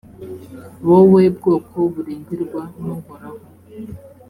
wowe bwoko burengerwa n’uhoraho.